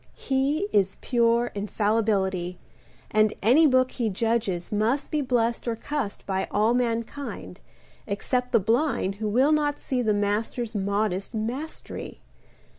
He Is pure infallibility, And any book he judges must Be blessed or cussed By all mankind, Except the blind[Pg 1337] Who will not see The master's modest mastery.